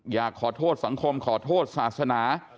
อยากขอโทษสังคมขอโทษศาสนา